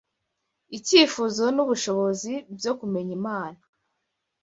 icyifuzo n’ubushobozi byo kumenya Imana